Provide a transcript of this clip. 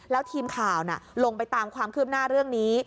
แล้วทีมข่าวลงไปตามความคืบหน้าเรื่องนี้